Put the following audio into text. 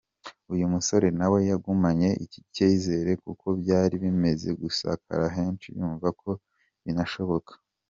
Uyu musore nawe yagumanye iki cyizere kuko byari bimaze gusakara henshi yumva ko binashoboka.